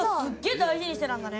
大事にしてたんだね